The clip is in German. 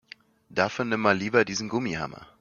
Dafür nimm mal lieber diesen Gummihammer.